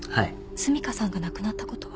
澄香さんが亡くなったことは。